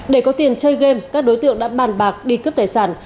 để có tiền chơi game các đối tượng đã bàn bạc đi cướp tài sản